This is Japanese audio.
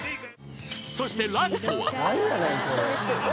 ［そしてラストは］